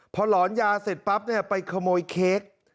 พอหลอนยาเสร็จปั๊บไปขโมยเค้ก